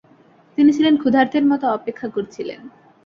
তিনি ছিলেন ক্ষুধার্থের মত অপেক্ষা করছিলেন।